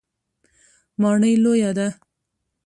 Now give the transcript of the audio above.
ماڼۍ لویه ده.